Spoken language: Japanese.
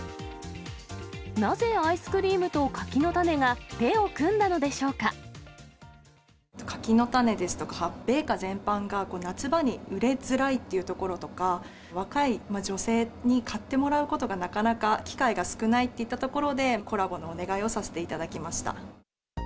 なぜアイスクリームと柿の種柿の種ですとか、米菓全般が夏場に売れづらいというところとか、若い女性に買ってもらうことがなかなか、機会が少ないといったところで、コラボのお願いをさせていただきました。